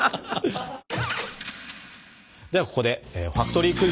ではここでファクトリークイズ！